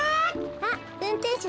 あっうんてんしゅ